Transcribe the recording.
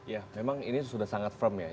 ya memang ini sudah sangat firm ya